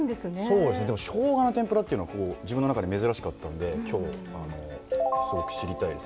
そうですねでもしょうがの天ぷらっていうのは自分の中で珍しかったんで今日すごく知りたいです